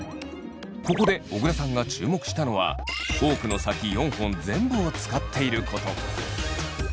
ここで小倉さんが注目したのはフォークの先４本全部を使っていること。